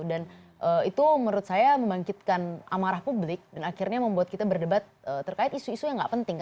dan itu menurut saya membangkitkan amarah publik dan akhirnya membuat kita berdebat terkait isu isu yang nggak penting